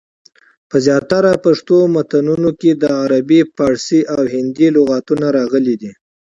په زیاترو پښتو متونو کي دعربي، پاړسي، او هندي لغتونه راغلي دي.